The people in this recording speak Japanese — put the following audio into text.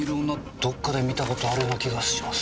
どっかで見た事あるような気がします。